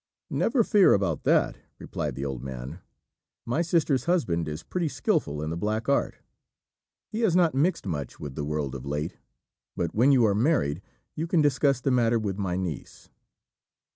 "Never fear about that," replied the old man; "my sister's husband is pretty skilful in the black art. He has not mixed much with the world of late; but when you are married, you can discuss the matter with my niece."